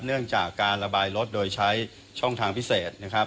เนื่องจากการระบายรถโดยใช้ช่องทางพิเศษนะครับ